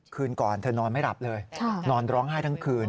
คืนก่อนเธอนอนไม่หลับเลยนอนร้องไห้ทั้งคืน